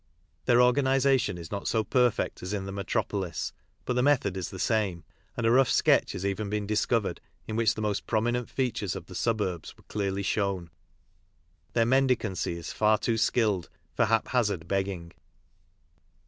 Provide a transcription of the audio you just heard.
Their organisation is not so perfect as in the metropolis, but the method is the same : and a rough sketch has even been discovered in which the most prominent features of the suburbs were clearly shown. Their mendicancy is far too skilled for haphazard begging.